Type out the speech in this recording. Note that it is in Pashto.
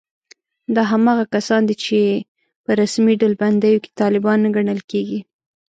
دا هماغه کسان دي چې په رسمي ډلبندیو کې طالبان نه ګڼل کېږي